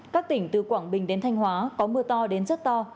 các tỉnh từ quảng bình đến thanh hóa có mưa to đến rất to